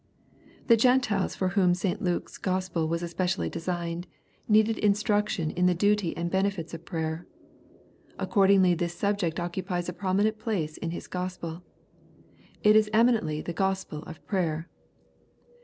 The Gentiles, for whom St. Luke's Gospel was especially designed, needed instruction in the duty and benefits of prayer. Accordingly this subject occupies a prominent place in his Gospel. It is eminently the Gospel of prayer."